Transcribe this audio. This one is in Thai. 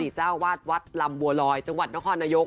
เจ้าวาดวัดลำบัวลอยจังหวัดนครนายก